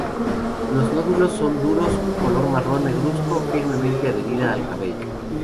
Los nódulos son duros, color marrón negruzco, firmemente adherida al cabello.